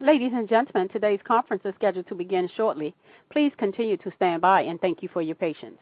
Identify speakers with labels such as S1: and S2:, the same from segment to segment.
S1: Ladies and gentlemen, today's conference is scheduled to begin shortly. Please continue to stand by and thank you for your patience.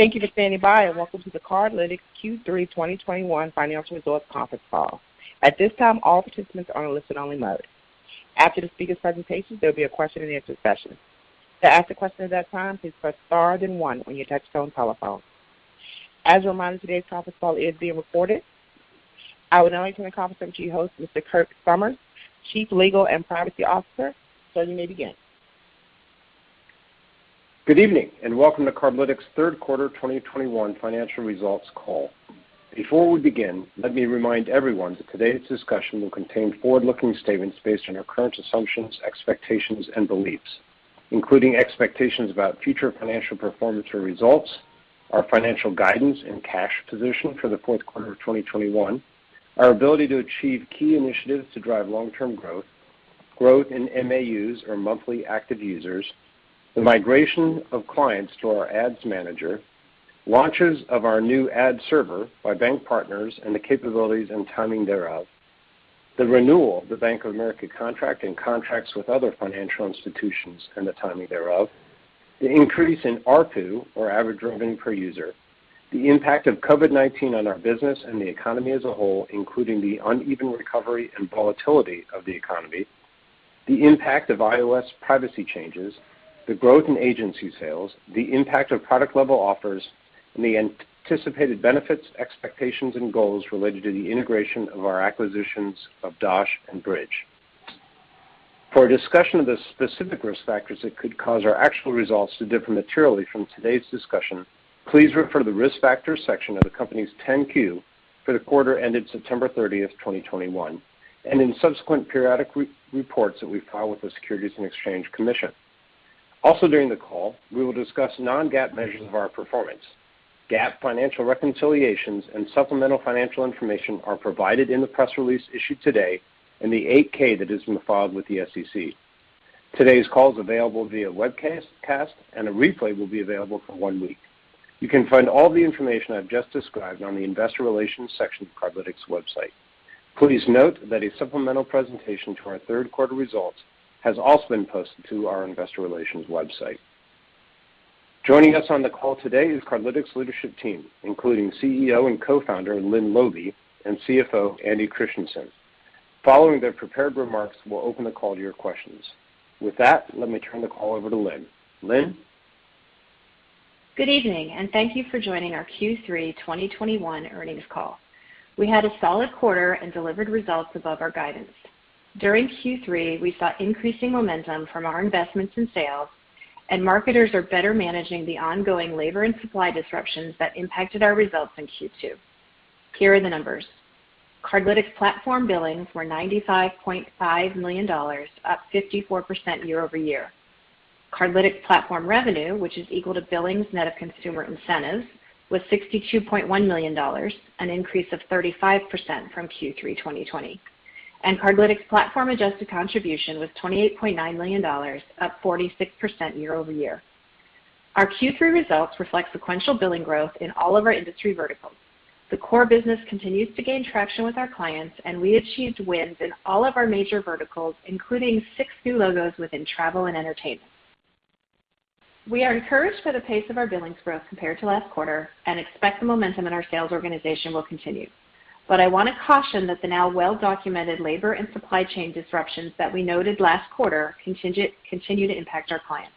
S1: Thank you for standing by and welcome to the Cardlytics Q3 2021 Financial Results Conference Call. At this time, all participants are in a listen-only mode. After the speaker presentations, there'll be a question and answer session. To ask a question at that time, please press star then one on your touchtone telephone. As a reminder, today's conference call is being recorded. I would now like to turn the conference over to your host, Mr. Kirk Somers, Chief Legal and Privacy Officer. Sir, you may begin.
S2: Good evening, and welcome to Cardlytics' third quarter 2021 financial results call. Before we begin, let me remind everyone that today's discussion will contain forward-looking statements based on our current assumptions, expectations and beliefs, including expectations about future financial performance or results, our financial guidance and cash position for the fourth quarter of 2021, our ability to achieve key initiatives to drive long-term growth, growth in MAUs or monthly active users, the migration of clients to our Ads Manager, launches of our new ad server by bank partners and the capabilities and timing thereof, the renewal of the Bank of America contract and contracts with other financial institutions and the timing thereof, the increase in ARPU or average revenue per user, the impact of COVID-19 on our business and the economy as a whole, including the uneven recovery and volatility of the economy, the impact of iOS privacy changes, the growth in agency sales, the impact of product level offers, and the anticipated benefits, expectations, and goals related to the integration of our acquisitions of Dosh and Bridg. For a discussion of the specific risk factors that could cause our actual results to differ materially from today's discussion, please refer to the Risk Factors section of the company's 10-Q for the quarter ended September 30th, 2021, and in subsequent periodic reports that we file with the Securities and Exchange Commission. Also during the call, we will discuss non-GAAP measures of our performance. GAAP financial reconciliations and supplemental financial information are provided in the press release issued today and the 8-K that has been filed with the SEC. Today's call is available via webcast and a replay will be available for one week. You can find all the information I've just described on the investor relations section of the Cardlytics website. Please note that a supplemental presentation to our third quarter results has also been posted to our investor relations website. Joining us on the call today is Cardlytics leadership team, including CEO and Co-founder, Lynne Laube, and CFO, Andy Christiansen. Following their prepared remarks, we'll open the call to your questions. With that, let me turn the call over to Lynne. Lynne?
S3: Good evening, and thank you for joining our Q3 2021 earnings call. We had a solid quarter and delivered results above our guidance. During Q3, we saw increasing momentum from our investments in sales, and marketers are better managing the ongoing labor and supply disruptions that impacted our results in Q2. Here are the numbers. Cardlytics platform billings were $95.5 million, up 54% year-over-year. Cardlytics platform revenue, which is equal to billings net of consumer incentives, was $62.1 million, an increase of 35% from Q3 2020. Cardlytics platform adjusted contribution was $28.9 million, up 46% year-over-year. Our Q3 results reflect sequential billing growth in all of our industry verticals. The core business continues to gain traction with our clients, and we achieved wins in all of our major verticals, including six new logos within travel and entertainment. We are encouraged by the pace of our billings growth compared to last quarter and expect the momentum in our sales organization will continue. I want to caution that the now well-documented labor and supply chain disruptions that we noted last quarter continue to impact our clients.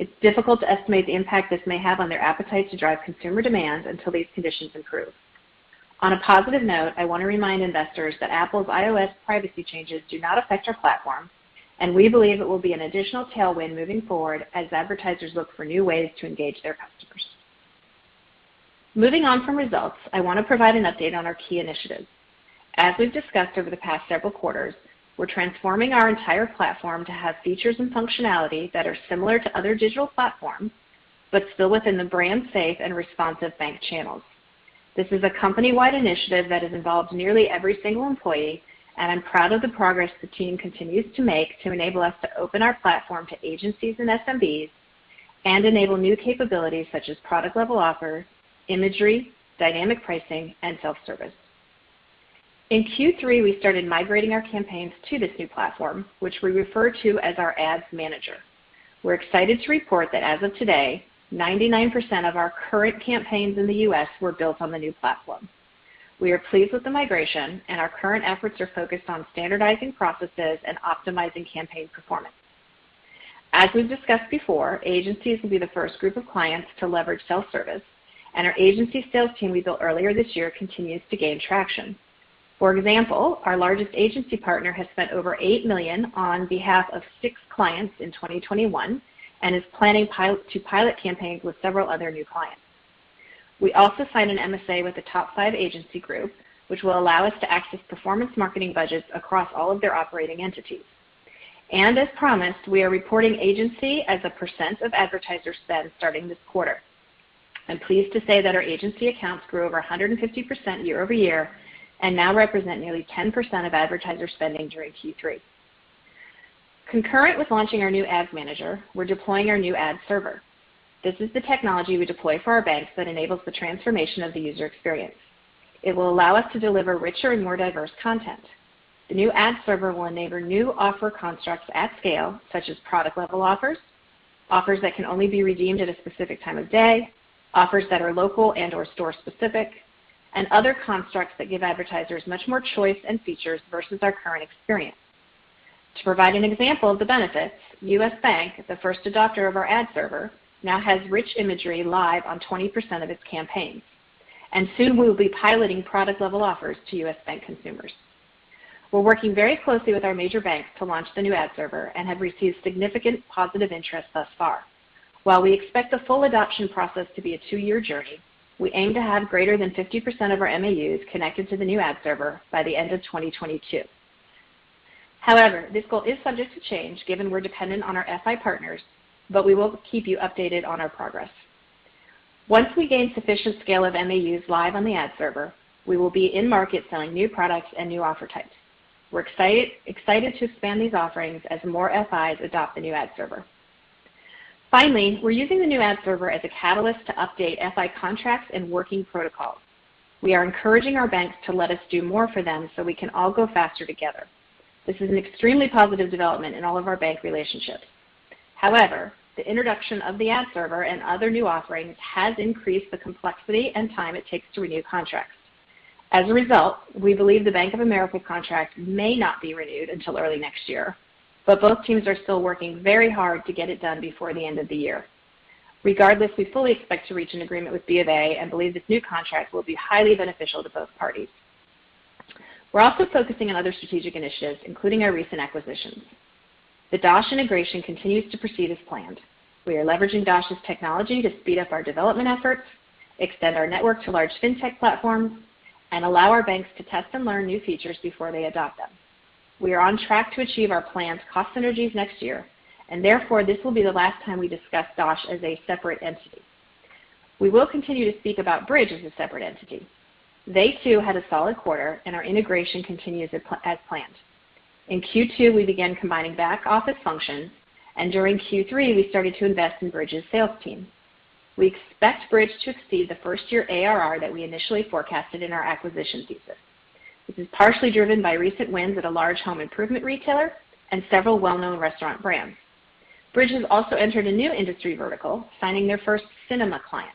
S3: It's difficult to estimate the impact this may have on their appetite to drive consumer demand until these conditions improve. On a positive note, I want to remind investors that Apple's iOS privacy changes do not affect our platform, and we believe it will be an additional tailwind moving forward as advertisers look for new ways to engage their customers. Moving on from results, I want to provide an update on our key initiatives. As we've discussed over the past several quarters, we're transforming our entire platform to have features and functionality that are similar to other digital platforms, but still within the brand safe and responsive bank channels. This is a company-wide initiative that has involved nearly every single employee, and I'm proud of the progress the team continues to make to enable us to open our platform to agencies and SMBs and enable new capabilities such as product-level offers, imagery, dynamic pricing, and self-service. In Q3, we started migrating our campaigns to this new platform, which we refer to as our Ads Manager. We're excited to report that as of today, 99% of our current campaigns in the U.S. were built on the new platform. We are pleased with the migration, and our current efforts are focused on standardizing processes and optimizing campaign performance. As we've discussed before, agencies will be the first group of clients to leverage self-service, and our agency sales team we built earlier this year continues to gain traction. For example, our largest agency partner has spent over $8 million on behalf of six clients in 2021 and is planning pilot campaigns with several other new clients. We also signed an MSA with a top five agency group, which will allow us to access performance marketing budgets across all of their operating entities. As promised, we are reporting agency as a percent of advertiser spend starting this quarter. I'm pleased to say that our agency accounts grew over 150% year-over-year and now represent nearly 10% of advertiser spending during Q3. Concurrent with launching our new Ads Manager, we're deploying our new ad server. This is the technology we deploy for our banks that enables the transformation of the user experience. It will allow us to deliver richer and more diverse content. The new ad server will enable new offer constructs at scale, such as product-level offers that can only be redeemed at a specific time of day, offers that are local and/or store specific, and other constructs that give advertisers much more choice and features versus our current experience. To provide an example of the benefits, U.S. Bank, the first adopter of our ad server, now has rich imagery live on 20% of its campaigns. Soon we will be piloting product-level offers to U.S. Bank consumers. We're working very closely with our major banks to launch the new ad server and have received significant positive interest thus far. While we expect the full adoption process to be a two-year journey, we aim to have greater than 50% of our MAUs connected to the new ad server by the end of 2022. However, this goal is subject to change given we're dependent on our FI partners, but we will keep you updated on our progress. Once we gain sufficient scale of MAUs live on the ad server, we will be in market selling new products and new offer types. We're excited to expand these offerings as more FIs adopt the new ad server. Finally, we're using the new ad server as a catalyst to update FI contracts and working protocols. We are encouraging our banks to let us do more for them so we can all go faster together. This is an extremely positive development in all of our bank relationships. However, the introduction of the ad server and other new offerings has increased the complexity and time it takes to renew contracts. As a result, we believe the Bank of America contract may not be renewed until early next year, but both teams are still working very hard to get it done before the end of the year. Regardless, we fully expect to reach an agreement with BofA and believe this new contract will be highly beneficial to both parties. We're also focusing on other strategic initiatives, including our recent acquisitions. The Dosh integration continues to proceed as planned. We are leveraging Dosh's technology to speed up our development efforts, extend our network to large fintech platforms, and allow our banks to test and learn new features before they adopt them. We are on track to achieve our planned cost synergies next year, and therefore, this will be the last time we discuss Dosh as a separate entity. We will continue to speak about Bridg as a separate entity. They too had a solid quarter, and our integration continues as planned. In Q2, we began combining back-office functions, and during Q3, we started to invest in Bridg's sales team. We expect Bridg to exceed the first-year ARR that we initially forecasted in our acquisition thesis. This is partially driven by recent wins at a large home improvement retailer and several well-known restaurant brands. Bridg has also entered a new industry vertical, signing their first cinema client.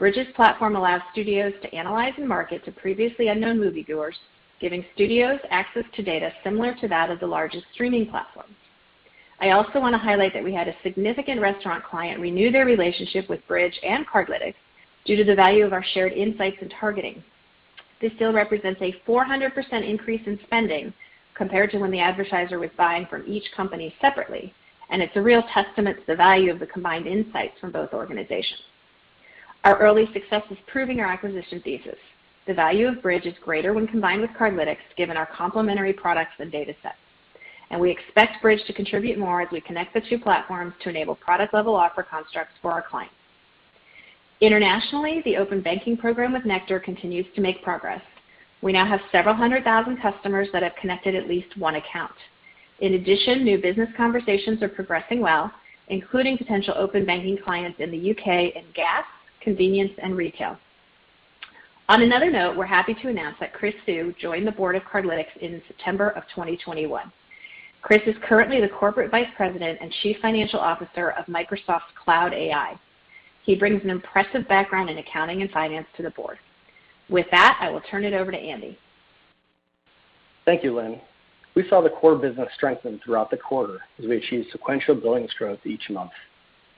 S3: Bridg's platform allows studios to analyze and market to previously unknown moviegoers, giving studios access to data similar to that of the largest streaming platforms. I also wanna highlight that we had a significant restaurant client renew their relationship with Bridg and Cardlytics due to the value of our shared insights and targeting. This deal represents a 400% increase in spending compared to when the advertiser was buying from each company separately, and it's a real testament to the value of the combined insights from both organizations. Our early success is proving our acquisition thesis. The value of Bridg is greater when combined with Cardlytics, given our complementary products and datasets. We expect Bridg to contribute more as we connect the two platforms to enable product-level offer constructs for our clients. Internationally, the open banking program with Nectar continues to make progress. We now have several hundred thousand customers that have connected at least one account. In addition, new business conversations are progressing well, including potential open banking clients in the U.K. and gas, convenience, and retail. On another note, we're happy to announce that Chris Suh joined the board of Cardlytics in September 2021. Chris is currently the Corporate Vice President and Chief Financial Officer of Microsoft Cloud AI. He brings an impressive background in accounting and finance to the board. With that, I will turn it over to Andy.
S4: Thank you, Lynne. We saw the core business strengthen throughout the quarter as we achieved sequential billings growth each month.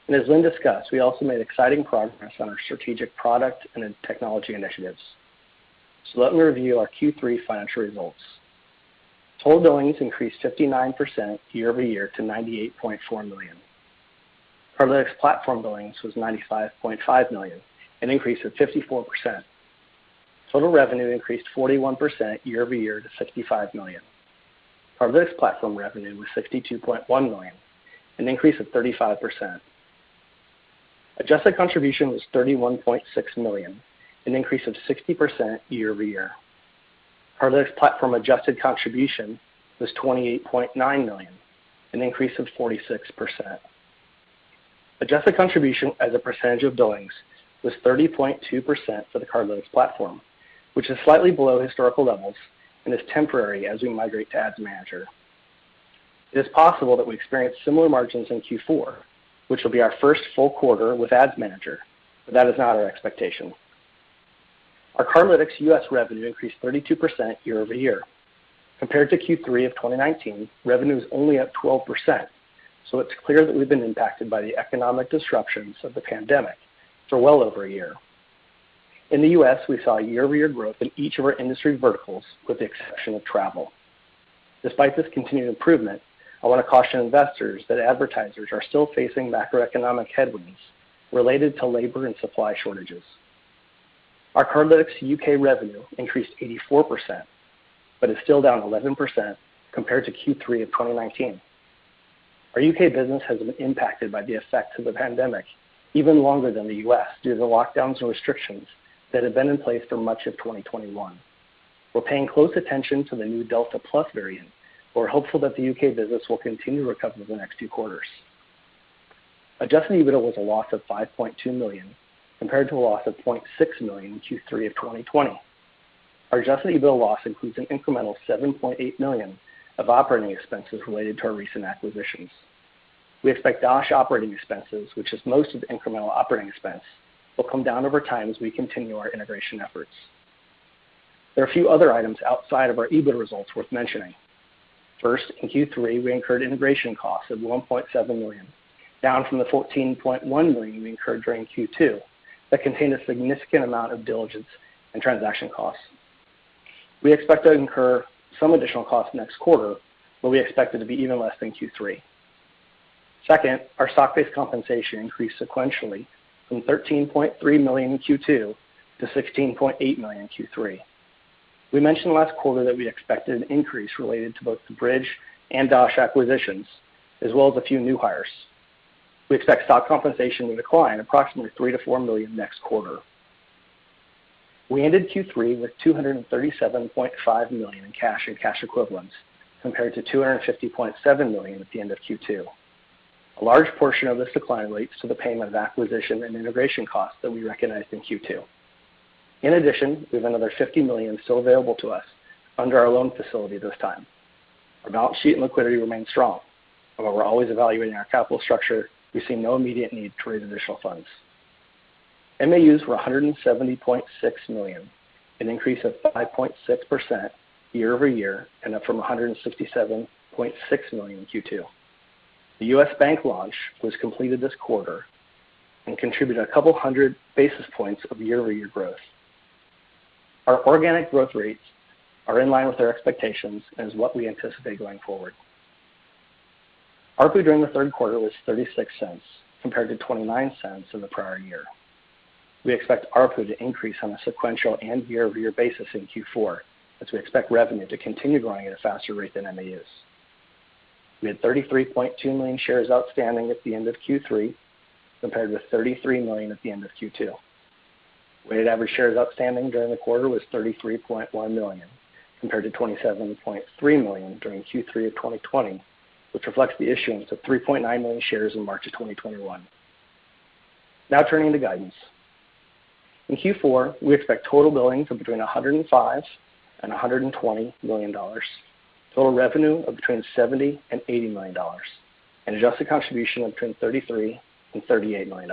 S4: As Lynne discussed, we also made exciting progress on our strategic product and in technology initiatives. Let me review our Q3 financial results. Total billings increased 59% year-over-year to $98.4 million. Cardlytics platform billings was $95.5 million, an increase of 54%. Total revenue increased 41% year-over-year to $65 million. Cardlytics platform revenue was $62.1 million, an increase of 35%. Adjusted contribution was $31.6 million, an increase of 60% year-over-year. Cardlytics platform adjusted contribution was $28.9 million, an increase of 46%. Adjusted contribution as a percentage of billings was 30.2% for the Cardlytics platform, which is slightly below historical levels and is temporary as we migrate to Ads Manager. It is possible that we experience similar margins in Q4, which will be our first full quarter with Ads Manager, but that is not our expectation. Our Cardlytics U.S. revenue increased 32% year-over-year. Compared to Q3 of 2019, revenue is only up 12%, so it's clear that we've been impacted by the economic disruptions of the pandemic for well over a year. In the U.S., we saw year-over-year growth in each of our industry verticals with the exception of travel. Despite this continued improvement, I wanna caution investors that advertisers are still facing macroeconomic headwinds related to labor and supply shortages. Our Cardlytics U.K. revenue increased 84% but is still down 11% compared to Q3 of 2019. Our U.K. business has been impacted by the effects of the pandemic even longer than the U.S. due to lockdowns and restrictions that have been in place for much of 2021. We're paying close attention to the new Delta Plus variant. We're hopeful that the U.K. business will continue to recover the next two quarters. Adjusted EBITDA was a loss of $5.2 million, compared to a loss of $0.6 million in Q3 of 2020. Our adjusted EBITDA loss includes an incremental $7.8 million of operating expenses related to our recent acquisitions. We expect Dosh operating expenses, which is most of the incremental operating expense, will come down over time as we continue our integration efforts. There are a few other items outside of our EBITDA results worth mentioning. First, in Q3, we incurred integration costs of $1.7 million, down from the $14.1 million we incurred during Q2 that contained a significant amount of diligence and transaction costs. We expect to incur some additional costs next quarter, but we expect it to be even less than Q3. Second, our stock-based compensation increased sequentially from $13.3 million in Q2 to $16.8 million in Q3. We mentioned last quarter that we expected an increase related to both the Bridg and Dosh acquisitions, as well as a few new hires. We expect stock compensation will decline approximately $3 million-$4 million next quarter. We ended Q3 with $237.5 million in cash and cash equivalents compared to $250.7 million at the end of Q2. A large portion of this decline relates to the payment of acquisition and integration costs that we recognized in Q2. In addition, we have another $50 million still available to us under our loan facility this time. Our balance sheet and liquidity remain strong. Although we're always evaluating our capital structure, we see no immediate need to raise additional funds. MAUs were 170.6 million, an increase of 5.6% year-over-year and up from $167.6 million in Q2. The U.S. Bank launch was completed this quarter and contributed a couple hundred basis points of year-over-year growth. Our organic growth rates are in line with our expectations and is what we anticipate going forward. ARPU during the third quarter was $0.36 compared to $0.29 in the prior year. We expect ARPU to increase on a sequential and year-over-year basis in Q4 as we expect revenue to continue growing at a faster rate than MAUs. We had 33.2 million shares outstanding at the end of Q3 compared with $33 million at the end of Q2. Weighted average shares outstanding during the quarter was $33.1 million compared to $27.3 million during Q3 of 2020, which reflects the issuance of 3.9 million shares in March of 2021. Now turning to guidance. In Q4, we expect total billings of between $105 million and $120 million, total revenue of between $70 million and $80 million, and adjusted contribution of between $33 million and $38 million.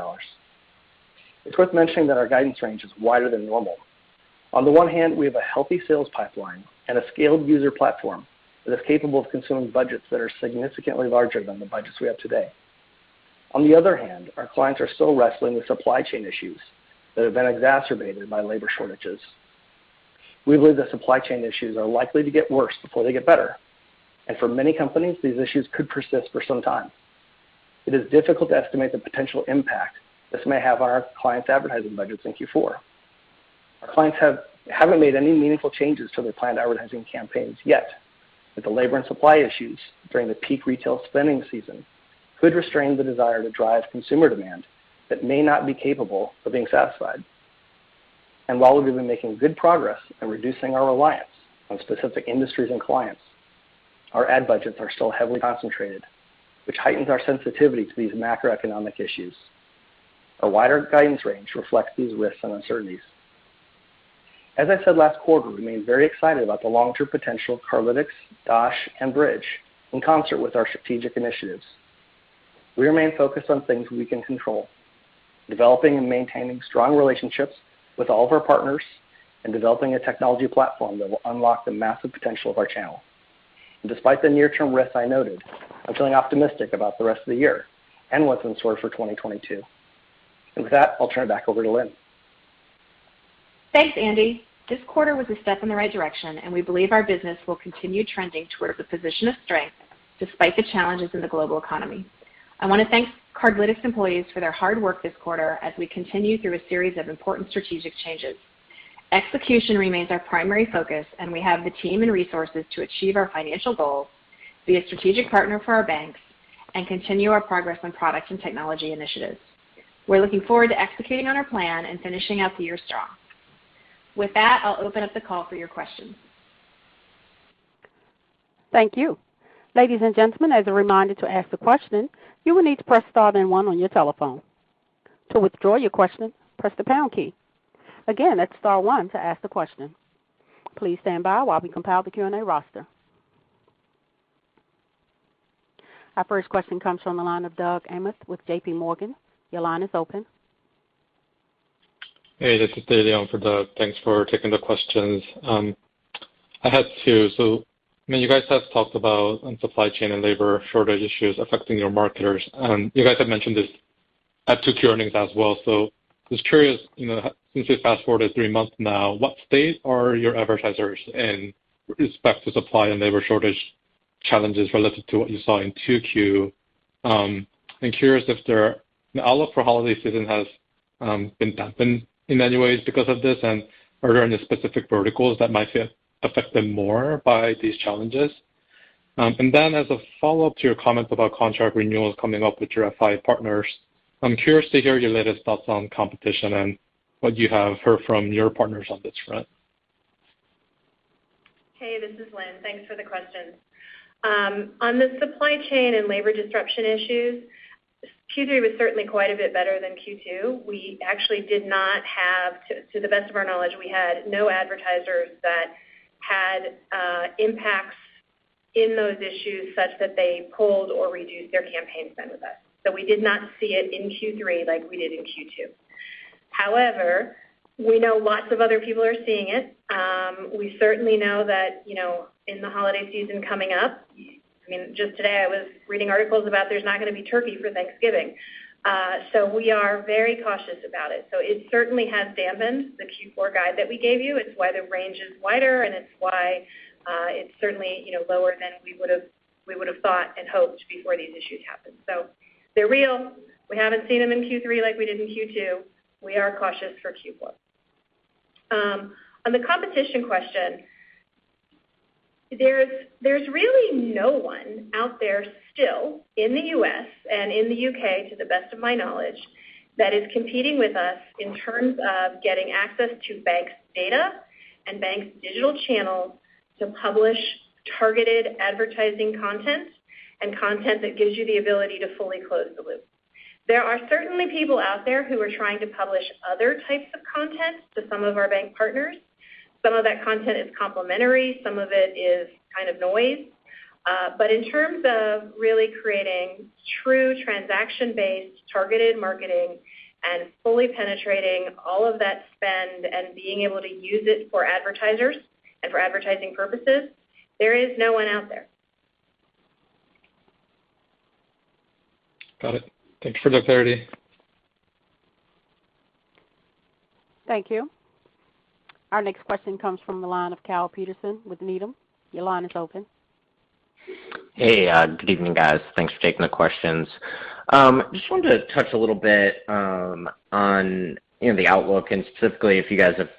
S4: It's worth mentioning that our guidance range is wider than normal. On the one hand, we have a healthy sales pipeline and a scaled user platform that is capable of consuming budgets that are significantly larger than the budgets we have today. On the other hand, our clients are still wrestling with supply chain issues that have been exacerbated by labor shortages. We believe the supply chain issues are likely to get worse before they get better. For many companies, these issues could persist for some time. It is difficult to estimate the potential impact this may have on our clients' advertising budgets in Q4. Our clients haven't made any meaningful changes to their planned advertising campaigns yet, but the labor and supply issues during the peak retail spending season could restrain the desire to drive consumer demand that may not be capable of being satisfied. While we've been making good progress in reducing our reliance on specific industries and clients, our ad budgets are still heavily concentrated, which heightens our sensitivity to these macroeconomic issues. A wider guidance range reflects these risks and uncertainties. As I said last quarter, we remain very excited about the long-term potential of Cardlytics, Dosh, and Bridg in concert with our strategic initiatives. We remain focused on things we can control, developing and maintaining strong relationships with all of our partners, and developing a technology platform that will unlock the massive potential of our channel. Despite the near-term risks I noted, I'm feeling optimistic about the rest of the year and what's in store for 2022. With that, I'll turn it back over to Lynne.
S3: Thanks, Andy. This quarter was a step in the right direction, and we believe our business will continue trending towards a position of strength despite the challenges in the global economy. I wanna thank Cardlytics employees for their hard work this quarter as we continue through a series of important strategic changes. Execution remains our primary focus, and we have the team and resources to achieve our financial goals, be a strategic partner for our banks, and continue our progress on product and technology initiatives. We're looking forward to executing on our plan and finishing out the year strong. With that, I'll open up the call for your questions.
S1: Thank you. Ladies and gentlemen, as a reminder to ask a question, you will need to press star then one on your telephone. To withdraw your question, press the pound key. Again, that's star one to ask a question. Please stand by while we compile the Q&A roster. Our first question comes from the line of Doug Anmuth with JPMorgan. Your line is open.
S5: Hey, this is Dae Lee on for Doug. Thanks for taking the questions. I had two. I mean, you guys have talked about supply chain and labor shortage issues affecting your marketers, and you guys have mentioned this at two key earnings as well. Just curious, you know, since we fast-forwarded three months now, what state are your advertisers in respect to supply and labor shortage challenges relative to what you saw in 2Q? I'm curious if their outlook for holiday season has been dampened in any ways because of this and are there any specific verticals that might feel affected more by these challenges? And then as a follow-up to your comment about contract renewals coming up with your FI partners, I'm curious to hear your latest thoughts on competition and what you have heard from your partners on this front.
S3: Hey, this is Lynne. Thanks for the questions. On the supply chain and labor disruption issues, Q3 was certainly quite a bit better than Q2. We actually did not have to the best of our knowledge, we had no advertisers that had impacts in those issues such that they pulled or reduced their campaign spend with us. So we did not see it in Q3 like we did in Q2. However, we know lots of other people are seeing it. We certainly know that, you know, in the holiday season coming up, I mean, just today I was reading articles about there's not gonna be turkey for Thanksgiving. We are very cautious about it. It certainly has dampened the Q4 guide that we gave you. It's why the range is wider, and it's why it's certainly, you know, lower than we would've thought and hoped before these issues happened. They're real. We haven't seen them in Q3 like we did in Q2. We are cautious for Q4. On the competition question, there's really no one out there still in the U.S. and in the U.K., to the best of my knowledge, that is competing with us in terms of getting access to banks' data and banks' digital channels to publish targeted advertising content and content that gives you the ability to fully close the loop. There are certainly people out there who are trying to publish other types of content to some of our bank partners. Some of that content is complementary, some of it is kind of noise. In terms of really creating true transaction-based targeted marketing and fully penetrating all of that spend and being able to use it for advertisers and for advertising purposes, there is no one out there.
S5: Got it. Thanks for the clarity.
S1: Thank you. Our next question comes from the line of Kyle Peterson with Needham. Your line is open.
S6: Hey. Good evening, guys. Thanks for taking the questions. Just wanted to touch a little bit on, you know, the outlook and specifically if you guys have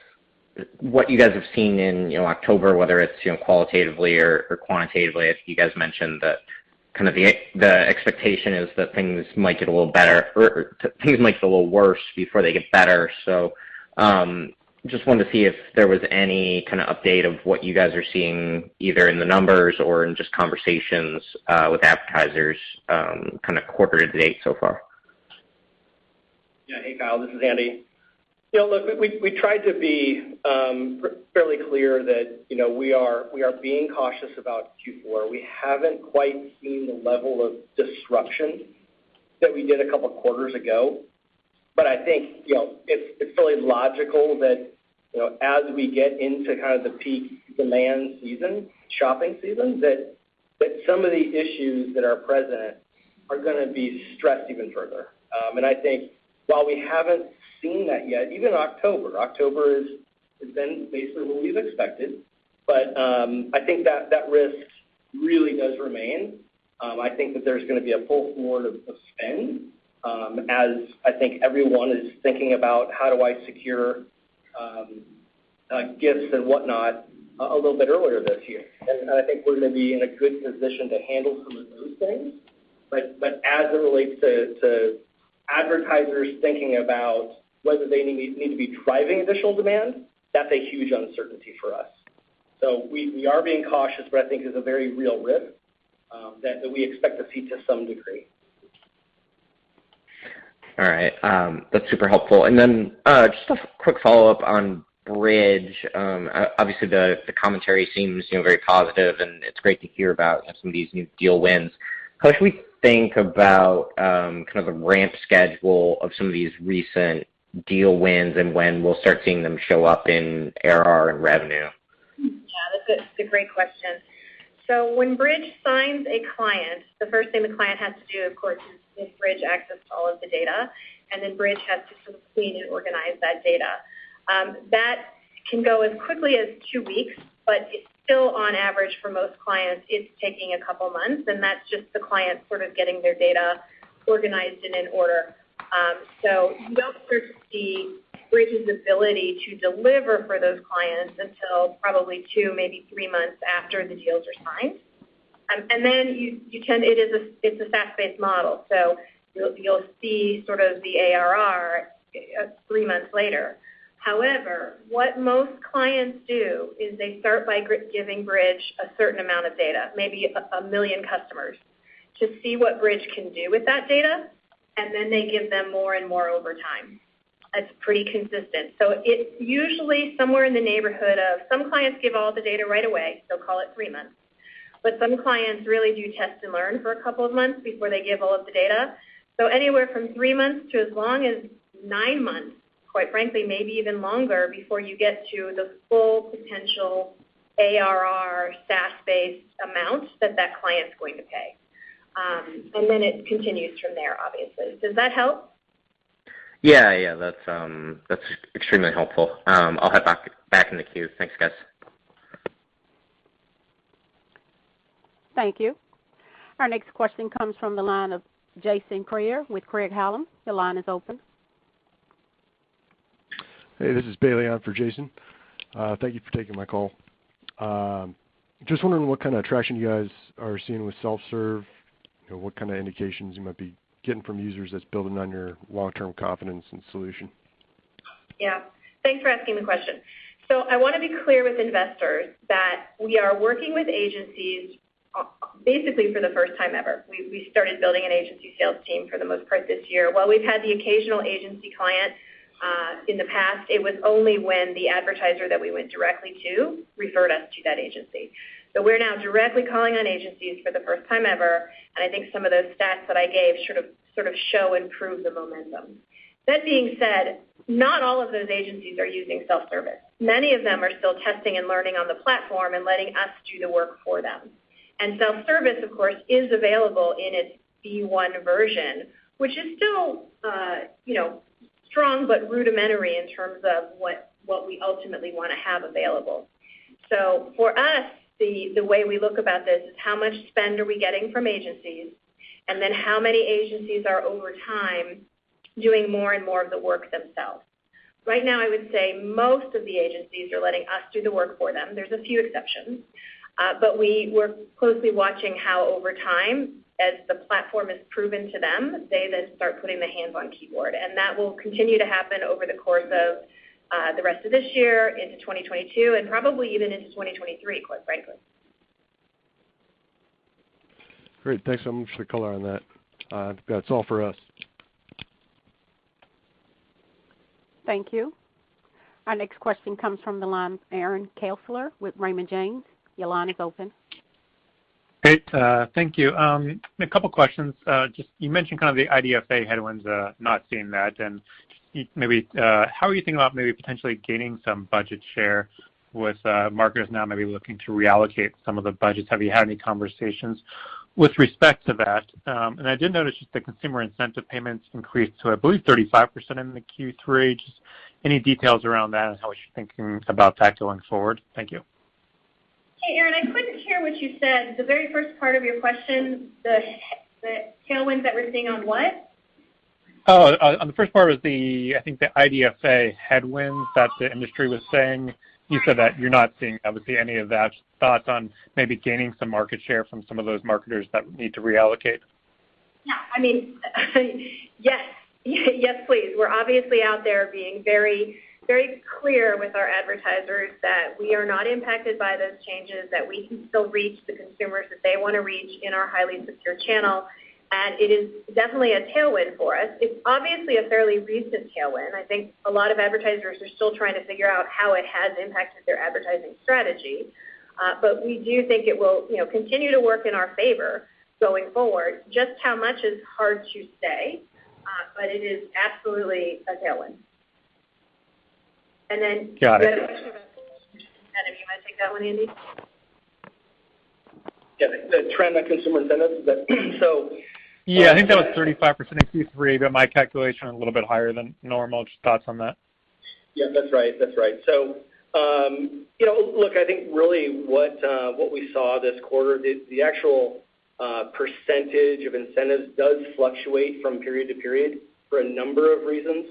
S6: what you guys have seen in, you know, October, whether it's, you know, qualitatively or quantitatively. If you guys mentioned that kind of the expectation is that things might get a little better or things might get a little worse before they get better. Just wanted to see if there was any kind of update of what you guys are seeing either in the numbers or in just conversations with advertisers, kind of quarter to date so far.
S4: Yeah. Hey, Kyle, this is Andy. Yeah, look, we tried to be fairly clear that, you know, we are being cautious about Q4. We haven't quite seen the level of disruption that we did a couple of quarters ago. I think, you know, it's fairly logical that, you know, as we get into kind of the peak demand season, shopping season, that some of the issues that are present are gonna be stressed even further. I think while we haven't seen that yet, even October has been basically what we've expected. I think that risk really does remain. I think that there's gonna be a pull forward of spend as I think everyone is thinking about how do I secure gifts and whatnot a little bit earlier this year. I think we're gonna be in a good position to handle some of those things. As it relates to advertisers thinking about whether they need to be driving additional demand, that's a huge uncertainty for us. We are being cautious, but I think it's a very real risk, that we expect to see to some degree.
S6: All right. That's super helpful. Just a quick follow-up on Bridg. Obviously, the commentary seems, you know, very positive, and it's great to hear about some of these new deal wins. How should we think about kind of a ramp schedule of some of these recent deal wins and when we'll start seeing them show up in ARR and revenue?
S3: Yeah, that's a great question. When Bridg signs a client, the first thing the client has to do, of course, is give Bridg access to all of the data, and then Bridg has to sort of clean and organize that data. That can go as quickly as two weeks, but it's still on average for most clients, it's taking a couple of months, and that's just the client sort of getting their data organized and in order. You won't see Bridg's ability to deliver for those clients until probably two, maybe three months after the deals are signed. It is a SaaS-based model, so you'll see sort of the ARR three months later. However, what most clients do is they start by giving Bridg a certain amount of data, maybe 1 million customers, to see what Bridg can do with that data, and then they give them more and more over time. That's pretty consistent. It's usually somewhere in the neighborhood of some clients give all the data right away, so call it three months. Some clients really do test and learn for a couple of months before they give all of the data. Anywhere from three months to as long as nine months, quite frankly, maybe even longer before you get to the full potential ARR, SaaS-based amount that that client's going to pay. And then it continues from there, obviously. Does that help?
S6: Yeah, yeah. That's extremely helpful. I'll head back in the queue. Thanks, guys.
S1: Thank you. Our next question comes from the line of Jason Kreyer with Craig-Hallum. Your line is open.
S7: Hey, this is Bailey on for Jason. Thank you for taking my call. Just wondering what kind of traction you guys are seeing with self-serve and what kind of indications you might be getting from users that's building on your long-term confidence and solution.
S3: Yeah. Thanks for asking the question. I wanna be clear with investors that we are working with agencies basically for the first time ever. We started building an agency sales team for the most part this year. While we've had the occasional agency client in the past, it was only when the advertiser that we went directly to referred us to that agency. We're now directly calling on agencies for the first time ever, and I think some of those stats that I gave sort of show and prove the momentum. That being said, not all of those agencies are using self-service. Many of them are still testing and learning on the platform and letting us do the work for them. Self-service, of course, is available in its V1 version, which is still, you know, strong but rudimentary in terms of what we ultimately wanna have available. For us, the way we look about this is how much spend are we getting from agencies, and then how many agencies are over time doing more and more of the work themselves. Right now, I would say most of the agencies are letting us do the work for them. There's a few exceptions. But we're closely watching how over time, as the platform is proven to them, they then start putting their hands on keyboard. That will continue to happen over the course of the rest of this year into 2022 and probably even into 2023, quite frankly.
S7: Great. Thanks so much for the color on that. That's all for us.
S1: Thank you. Our next question comes from the line Aaron Kessler with Raymond James. Your line is open.
S8: Great. Thank you. A couple of questions. Just you mentioned kind of the IDFA headwinds, not seeing that. And maybe, how are you thinking about maybe potentially gaining some budget share with, marketers now maybe looking to reallocate some of the budgets? Have you had any conversations with respect to that? And I did notice just the consumer incentive payments increased to, I believe, 35% in the Q3. Just any details around that and how we should think about that going forward? Thank you.
S3: Hey, Aaron, I couldn't hear what you said. The very first part of your question, the tailwinds that we're seeing on what?
S8: Oh, on the first part was the, I think, the IDFA headwinds that the industry was saying. You said that you're not seeing obviously any of that. Thoughts on maybe gaining some market share from some of those marketers that need to reallocate?
S3: Yeah. I mean, yes. Yes, please. We're obviously out there being very, very clear with our advertisers that we are not impacted by those changes, that we can still reach the consumers that they wanna reach in our highly secure channel. It is definitely a tailwind for us. It's obviously a fairly recent tailwind. I think a lot of advertisers are still trying to figure out how it has impacted their advertising strategy, but we do think it will, you know, continue to work in our favor going forward. Just how much is hard to say, but it is absolutely a tailwind.
S8: Got it.
S3: You wanna take that one, Andy?
S4: Yeah. The trend on consumer incentives that.
S8: Yeah, I think that was 35% in Q3, but my calculation a little bit higher than normal. Just thoughts on that?
S4: Yeah, that's right. You know, look, I think really what we saw this quarter, the actual percentage of incentives does fluctuate from period to period for a number of reasons.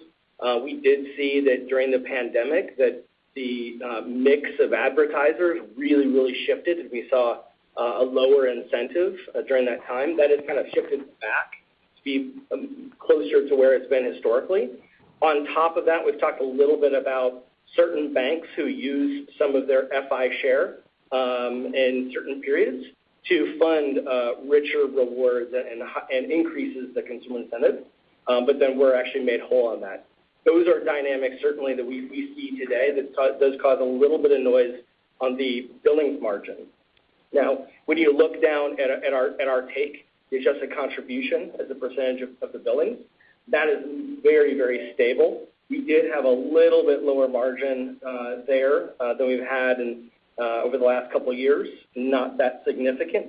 S4: We did see that during the pandemic that the mix of advertisers really shifted, and we saw a lower incentive during that time. That has kind of shifted back to be closer to where it's been historically. On top of that, we've talked a little bit about certain banks who use some of their FI Share in certain periods to fund richer rewards and increases the consumer incentive, but then we're actually made whole on that. Those are dynamics certainly that we see today that does cause a little bit of noise on the billings margin. Now, when you look down at our take, the adjusted contribution as a percentage of the billings, that is very, very stable. We did have a little bit lower margin there than we've had over the last couple years, not that significant.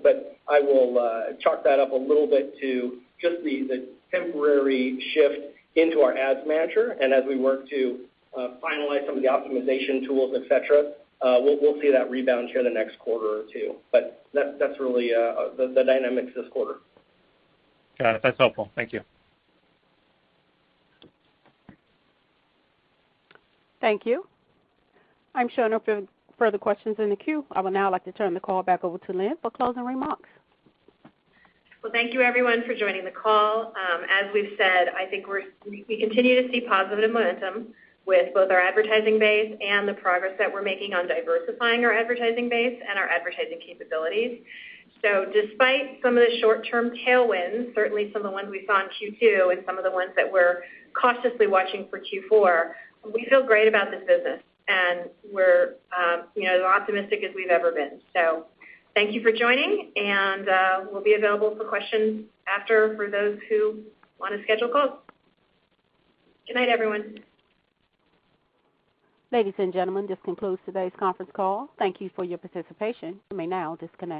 S4: I will chalk that up a little bit to just the temporary shift into our Ads Manager. As we work to finalize some of the optimization tools, et cetera, we'll see that rebound here in the next quarter or two. That's really the dynamics this quarter.
S8: Got it. That's helpful. Thank you.
S1: Thank you. I'm showing no further questions in the queue. I would now like to turn the call back over to Lynne for closing remarks.
S3: Well, thank you everyone for joining the call. As we've said, I think we continue to see positive momentum with both our advertising base and the progress that we're making on diversifying our advertising base and our advertising capabilities. Despite some of the short-term tailwinds, certainly some of the ones we saw in Q2 and some of the ones that we're cautiously watching for Q4, we feel great about this business and we're, you know, as optimistic as we've ever been. Thank you for joining, and we'll be available for questions after for those who wanna schedule calls. Good night, everyone.
S1: Ladies and gentlemen, this concludes today's conference call. Thank you for your participation. You may now disconnect.